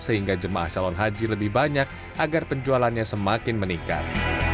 sehingga jemaah calon haji lebih banyak agar penjualannya semakin meningkat